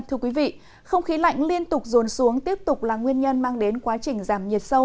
thưa quý vị không khí lạnh liên tục dồn xuống tiếp tục là nguyên nhân mang đến quá trình giảm nhiệt sâu